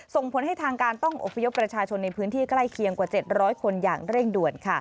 ส่งผลให้ทางการต้องอบพยพประชาชนในพื้นที่ใกล้เคียงกว่า๗๐๐คนอย่างเร่งด่วน